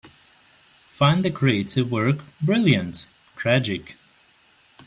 Find the creative work Brilliant! Tragic!